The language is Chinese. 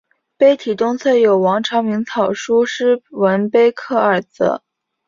碑体东侧有王阳明草书诗文碑刻二则。